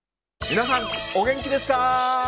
皆さんお元気ですか？